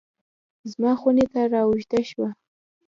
زما خونې ته رااوږده شوه